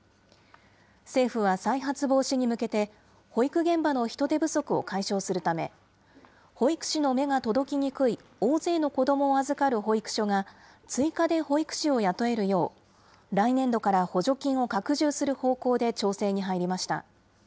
政府は再発防止に向けて、保育現場の人手不足を解消するため、保育士の目が届きにくい大勢の子どもを預かる保育所が、追加で保育士を雇えるよう、来年度から補助金を拡充する方向で調整に入りました。